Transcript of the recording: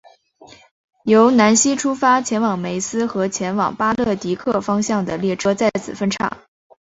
由南锡出发前往梅斯和前往巴勒迪克方向的列车在此分岔。